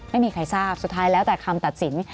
ไม่มีใครทราบสุดท้ายแล้วแต่คำตัดสิน